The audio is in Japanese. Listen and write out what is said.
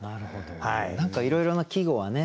何かいろいろな季語はね